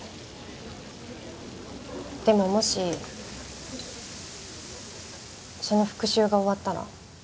でももしその復讐が終わったら？